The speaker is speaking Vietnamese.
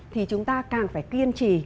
thì chúng ta càng phải kiên trì